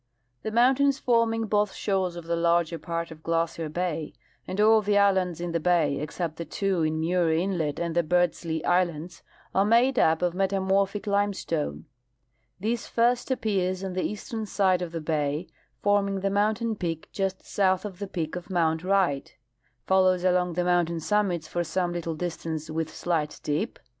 — The mountains forming both shores of the larger part of Glacier bay, and all the islands in the bay except the two in Muir inlet and the Beardslee islands, are made up of metamorphic limestone. This first appears on the eastern side of the bay, form ing the mountain peak just south of the peak of mount A\^right, follows along the mountain summits for some little distance with slight dip.